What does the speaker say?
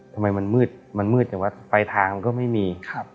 ทำไมมันมืดมันมืดแต่ว่าไฟทางมันก็ไม่มี